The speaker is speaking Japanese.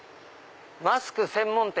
「マスク専門店」！